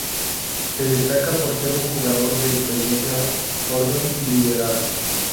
Se destaca por ser un jugador de experiencia, orden, liderazgo.